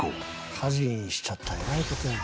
火事にしちゃったらえらい事になる。